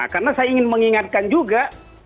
karena saya ingin mengingatkan juga